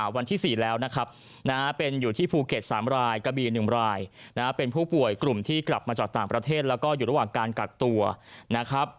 วันที่๔แล้วนะครับเป็นอยู่ที่ภูเก็ต๓รายกะบี๑รายเป็นผู้ป่วยกลุ่มที่กลับมาจากต่างประเทศแล้วก็อยู่ระหว่างการกักตัวนะครับ